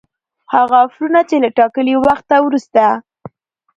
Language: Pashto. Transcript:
هغه آفرونه چي له ټاکلي وخته وروسته